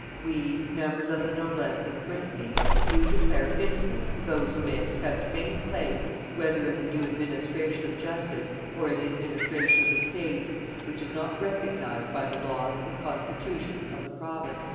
"We, members of the noblesse of Brittany, do declare infamous those who may accept any place, whether in the new administration of justice or in the administration of the states, which is not recognized by the laws and constitutions of the province."